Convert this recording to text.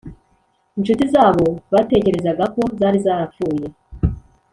incuti zabo batekerezaga ko zari zarapfuye